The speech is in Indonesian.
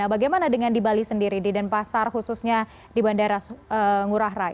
bagaimana dengan di bali sendiri di denpasar khususnya di bandara ngurah rai